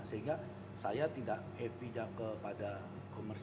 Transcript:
sehingga saya tidak heavy nya kepada komunitas